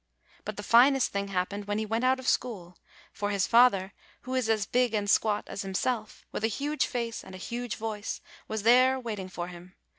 But the finest thing hap pened when he went out of school; for his father, who is as big and squat as himself, with a huge face and a huge voice, was there waiting for him.